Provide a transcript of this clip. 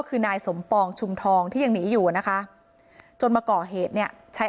คือนายสมปองชุมทองที่ยังหนีอยู่นะคะจนมาก่อเหตุเนี่ยใช้